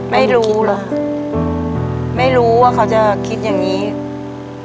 ไม่รู้ไม่รู้ว่าเขาจะคิดอย่างที่นี้